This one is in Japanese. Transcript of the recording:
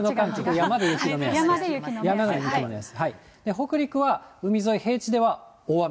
北陸は海沿い、平地では大雨。